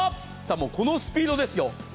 もうこのスピードですよ。